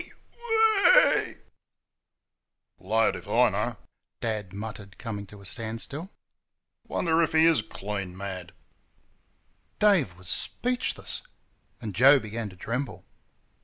WA AY!" "Blowed if I know," Dad muttered, coming to a standstill. "Wonder if he is clean mad?" Dave was speechless, and Joe began to tremble.